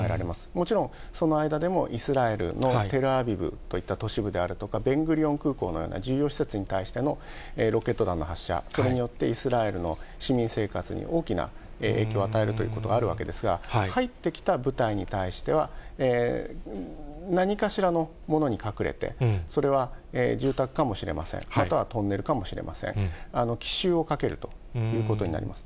もちろん、その間でもイスラエルのテルアビブといった都市部であるとか、空港とかの重要施設に対してのロケット弾の発射、それによってイスラエルの市民生活に大きな影響を与えるということはあるわけですが、入ってきた部隊に対しては、何かしらのものに隠れて、それは住宅かもしれません、またはトンネルかもしれません、奇襲をかけるということになります。